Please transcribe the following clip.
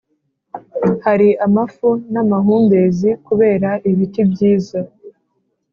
hari amafu n’amahumbezi kubera ibiti byiza